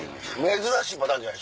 珍しいパターンじゃない？